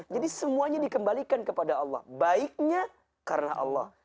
jadi semuanya dikembalikan kepada allah baiknya karena allah